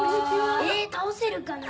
え倒せるかな。